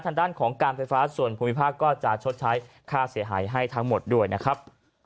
ทางด้านของการไฟฟ้าส่วนภูมิภาคก็จะชดใช้ค่าเสียหายให้ทั้งหมดด้วยนะครับ